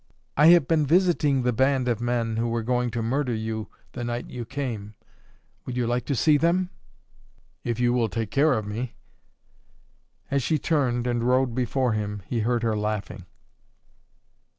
"I have been visiting the band of men who were going to murder you the night you came. Would you like to see them?" "If you will take care of me." As she turned and rode before him he heard her laughing.